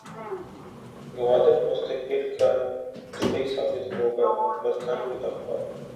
گوادر مستقبل کا دبئی ثابت ہوگا برطانوی اخبار